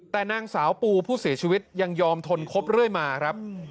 แต่นางสาวปูผู้เสียชีวิตยังยอมทนครบเรื่อยมาครับ